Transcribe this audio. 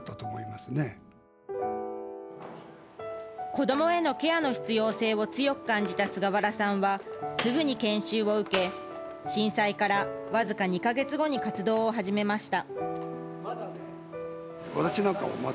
子供へのケアの必要性を強く感じた菅原さんはすぐに研修を受け、震災から僅か２か月後に活動を始めました。